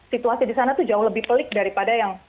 situasi di sana tuh jauh lebih pelik daripada yang